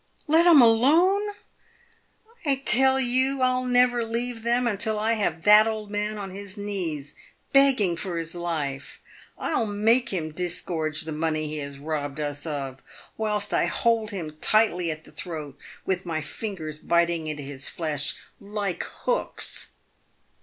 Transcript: " Let 'em alone ! I tell you, I'll never leave them until I have that old man on his knees, begging for his life. I will make him dis gorge the money he has robbed us of, whilst I hold him tightly at the throat, with my fingers biting into his flesh like hooks."